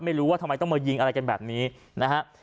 ไม่รู้ว่าทำไมต้องมายิงอะไรกันแบบนี้นะฮะ